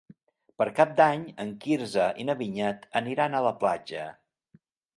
Per Cap d'Any en Quirze i na Vinyet aniran a la platja.